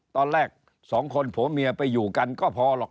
ตอนแรกสองคนผัวเมียไปอยู่กันก็พอหรอก